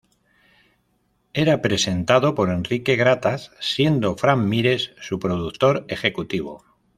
Era presentado por Enrique Gratas, siendo Fran Mires su productor ejecutivo.